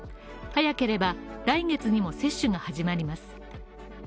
早ければ来月にも接種が始まります。